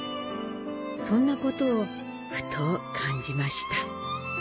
そんなことをふと感じました。